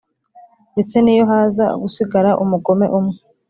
Ndetse n’iyo haza gusigara umugome umwe,